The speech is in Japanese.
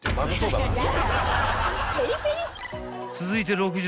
［続いて六